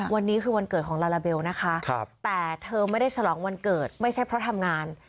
วันนี้คือวันเกิดของลาลาเบลนะคะแต่เธอไม่ได้ฉลองวันเกิดไม่ใช่เพราะทำงาน